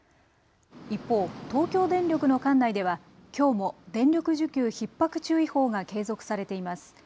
一方、東京電力の管内ではきょうも電力需給ひっ迫注意報が継続されています。